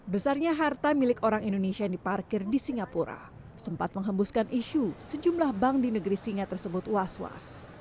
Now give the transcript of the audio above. besarnya harta milik orang indonesia yang diparkir di singapura sempat menghembuskan isu sejumlah bank di negeri singa tersebut was was